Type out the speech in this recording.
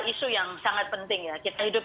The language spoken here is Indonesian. isu yang sangat penting ya kita hidup